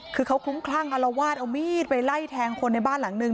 คือเขาคลุ้มคลั่งอารวาสเอามีดไปไล่แทงคนในบ้านหลังนึง